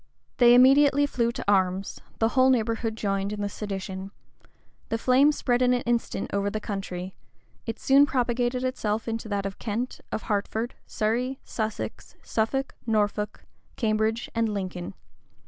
They immediately flew to arms: the whole neighborhood joined in the sedition: the flame spread in an instant over the county: it soon propagated itself into that of Kent, of Hertford, Surrey, Sussex, Suffolk, Norfolk, Cambridge, and Lincoln.